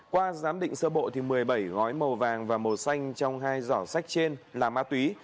qua giám định sơ bộ một mươi bảy gói màu vàng và màu xanh trong hai giỏ sách trên là ma túy